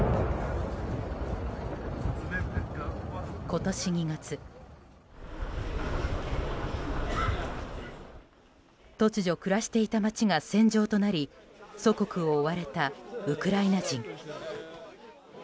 今年２月、突如暮らしていた街が戦場となり祖国を追われたウクライナ人。